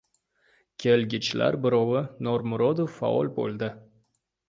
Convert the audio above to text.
— Kelgichlar birovi Normurod faol bo‘ldi.